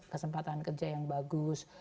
kesempatan kerja yang bagus